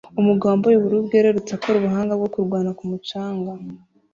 Umugabo wambaye ubururu bwerurutse akora ubuhanga bwo kurwana ku mucanga